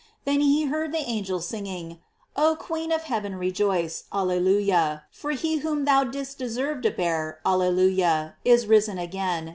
Then he heard the angels singing: Oh, Queen of heaven rejoice, Alleluia; for he whom thou didst deserve to bear, Alleluia, is risen again, * Cfiesarius.